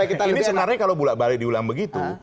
kita ini sebenarnya kalau bulat balik diulang begitu